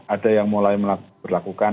ada yang mulai berlakukan